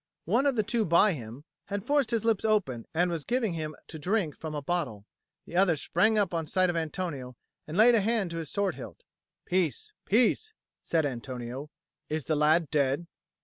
One of the two by him had forced his lips open and was giving him to drink from a bottle. The other sprang up on sight of Antonio and laid a hand to his sword hilt. "Peace, peace!" said Antonio. "Is the lad dead?"